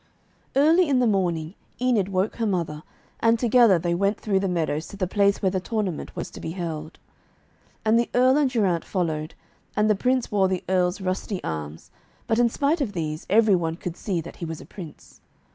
Early in the morning Enid woke her mother, and together they went through the meadows to the place where the tournament was to be held. And the Earl and Geraint followed, and the Prince wore the Earl's rusty arms, but in spite of these, every one could see that he was a Prince.